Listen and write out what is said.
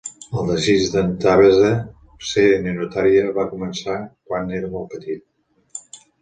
El desig d'en Thavesde ser ninotaire va començar quan era molt petit.